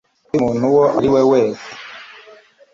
undi muntu uwo ari we wese